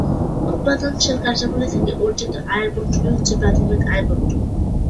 উৎপাদনশীল কার্যাবলি থেকে অর্জিত আয়ের বণ্টনই হচ্ছে প্রাথমিক আয়বণ্টন।